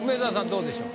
どうでしょう？